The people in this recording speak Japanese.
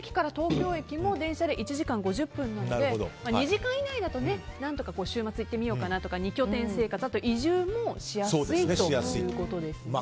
甲府駅から東京駅も電車で１時間５０分なので２時間以内だと何とか週末いってみようとか２拠点生活や、移住もしやすいということですね。